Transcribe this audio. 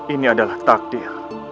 ini adalah takdir